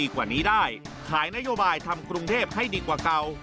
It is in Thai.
ขายนโยบายทำกรุงเทพฯให้ดีกว่าเก่า